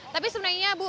tapi sebenarnya ibu